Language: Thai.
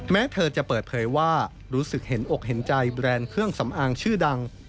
แม้เธอจะเปิดเผยว่ารู้สึกเห็นอกเห็นใจแบรนด์เครื่องสำอางชื่อดัง